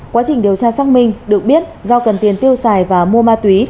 quá trình điều tra xác minh được biết do cần tiền tiêu xài và mua ma túy